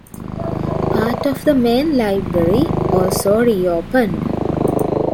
Part of the Main Library also reopened.